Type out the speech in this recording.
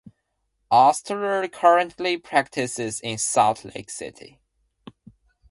Ostler currently practices in Salt Lake City.